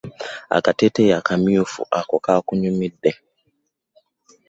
Akateteyi akamyufu ako ka kunyumidde.